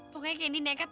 pokoknya kendi nekat